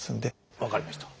分かりました。